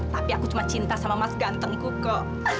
tapi aku cuma cinta sama mas gantengku kok